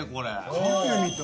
カフェみたい！